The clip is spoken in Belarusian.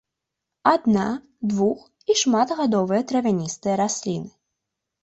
Адна-, двух- і шматгадовыя травяністыя расліны.